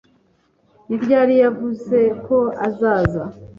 ni ryari yavuze ko azaza